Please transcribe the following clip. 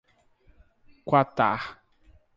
Quatá